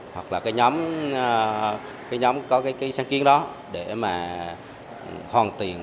hoặc là cái nhóm có cái sáng kiến đó để mà hoàn tiện